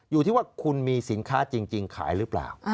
อยู่ที่ว่าคุณมีสินค้าจริงขายหรือเปล่า